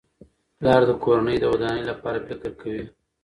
پلار د کورنۍ د ودانۍ لپاره فکر کوي.